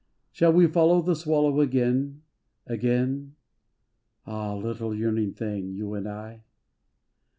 Shall we follow the swallow again, again. Ah! little yearning thing, you and I?